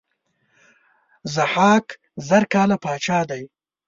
ضحاک زر کاله پاچا دی.